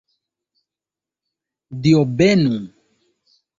Dio benu!